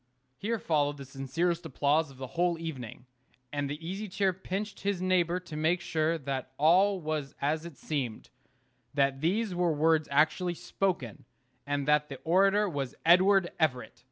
Here followed the sincerest applause of the whole evening; and the Easy Chair pinched his neighbor to make sure that all was as it seemed; that these were words actually spoken, and that the orator was Edward Everett.